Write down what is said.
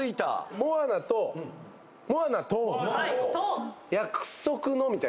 『モアナと』『モアナと』「約束の」みたいな。